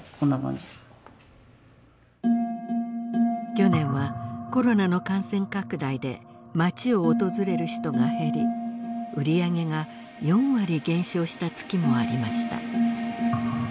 去年はコロナの感染拡大で町を訪れる人が減り売り上げが４割減少した月もありました。